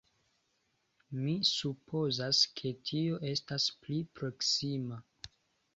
Mi supozas ke tio estas pli proksima.